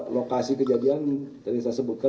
lokasi kejadian tadi saya sebutkan